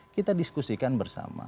kita diskusikan bersama